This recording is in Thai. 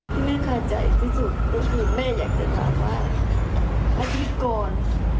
ที่แม่คาใจที่สุดก็คือแม่อยากจะถามว่าอาทิตย์ก่อน